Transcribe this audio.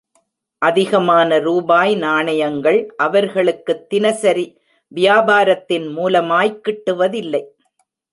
அதிகமான ரூபாய் நாணயங்கள், அவர்களுக்குத் தினசரி வியாபாரத்தின் மூலமாய்க் கிட்டுவதில்லை.